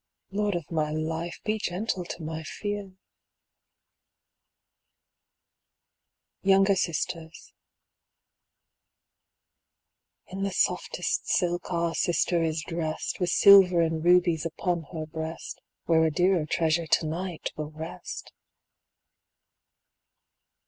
Lord of my life, be gentle to my fear ! Tounger Sisters In the softest silk is our sister dressed, With silver and rubies upon her breast. Where a dearer treasure to night will rest.